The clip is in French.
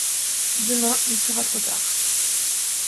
Demain il sera trop tard.